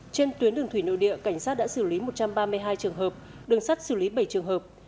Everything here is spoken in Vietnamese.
trên tuyến đường thủy nội địa cảnh sát đã xử lý một trăm ba mươi hai trường hợp đường sắt xử lý bảy trường hợp